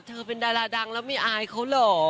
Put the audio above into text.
เธอเป็นดาราดังแล้วไม่อายเขาเหรอ